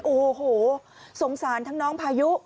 โอ้โหสงสารทั้งน้องพายุ